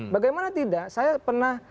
bagaimana tidak saya pernah